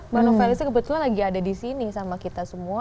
mbak nova elisa kebetulan lagi ada disini sama kita semua